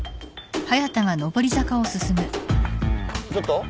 ちょっと？